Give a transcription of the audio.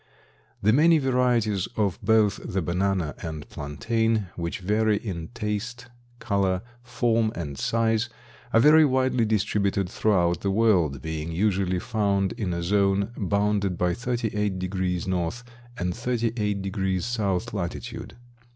The many varieties of both the banana and plantain, which vary in taste, color, form and size, are very widely distributed throughout the world, being usually found in a zone bounded by 38 degrees North and 38 degrees South latitude.